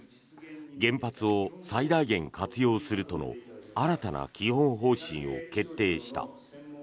原発を最大限に活用するとの新たな基本方針を決定した。